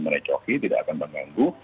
merecoki tidak akan mengganggu